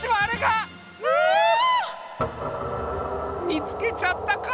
見つけちゃったか！